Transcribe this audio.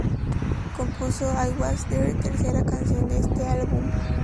Compuso "I Was There", tercera canción de este álbum.